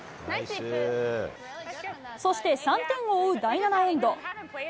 そして３点を追う第７エンド。